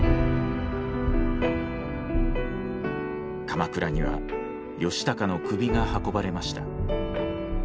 鎌倉には義高の首が運ばれました。